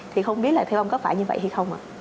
thì không biết là theo ông có phải như vậy hay không ạ